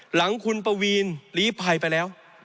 หลังคุณประวีนตัดสินใจลีภัยไปแล้ว